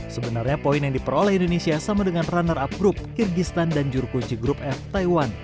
sebenarnya poin yang diperoleh indonesia sama dengan runner up group kyrgyzstan dan jurukuji grup f taiwan